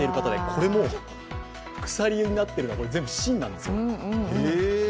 これも鎖になっているのは、全部、芯なんですよ。